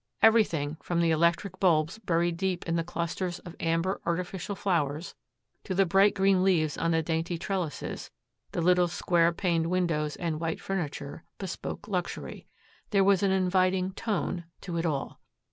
Everything, from the electric bulbs buried deep in the clusters of amber artificial flowers to the bright green leaves on the dainty trellises, the little square paned windows and white furniture, bespoke luxury. There was an inviting "tone" to it all.